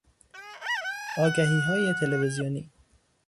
آگهیهای تلویزیونی